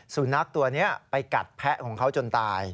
สุนัขตัวนี้ไปกัดแพะของเขาจนตาย